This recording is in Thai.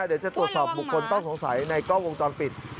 เดี๋ยวจะตรวจสอบบุคคลต้องสงสัยในกล้องวงจรปิด